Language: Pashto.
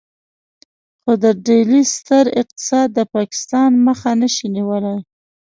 خو د ډهلي ستر اقتصاد د پاکستان مخه نشي نيولای.